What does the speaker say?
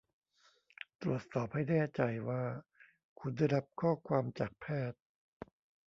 ตรวจสอบให้แน่ใจว่าคุณได้รับข้อความจากแพทย์